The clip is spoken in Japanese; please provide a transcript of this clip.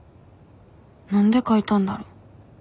何で書いたんだろ。